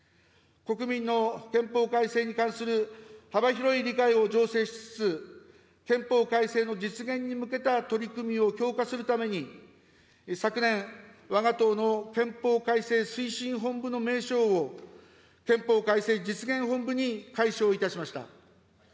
国民の憲法改正に関する幅広い理解を醸成しつつ、憲法改正の実現に向けた取り組みを強化するために、昨年、わが党の憲法改正推進本部の名称を、憲法改正実現本部に改称いたしました。